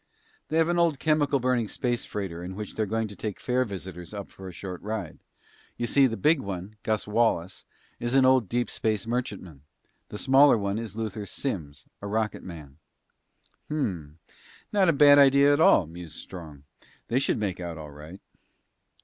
"They have an old chemical burning space freighter in which they're going to take fair visitors up for a short ride. You see, the big one, Gus Wallace, is an old deep space merchantman. The smaller one is Luther Simms, a rocketman." "Hm. Not a bad idea at all," mused Strong. "They should make out all right."